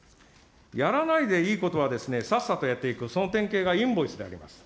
やらないでいいことはですね、さっさとやっていく、その典型がインボイスであります。